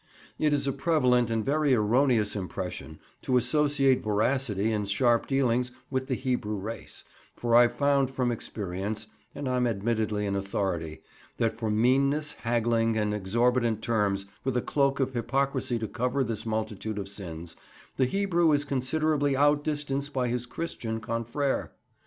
It is a prevalent and very erroneous impression to associate voracity and sharp dealings with the Hebrew race, for I've found from experience (and I'm admittedly an authority) that for meanness, haggling, and exorbitant terms, with a cloak of hypocrisy to cover this multitude of sins, the Hebrew is considerably out distanced by his Christian confrère.